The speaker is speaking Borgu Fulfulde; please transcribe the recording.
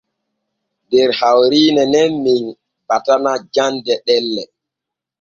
Der hawrine nun men batana jande ɗelle.